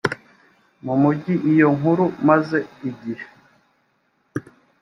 mu mugi iyo nkuru maze igihe